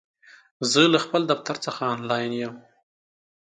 زه له خپل دفتر څخه آنلاین یم!